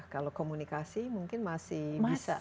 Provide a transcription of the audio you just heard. kalau komunikasi mungkin masih bisa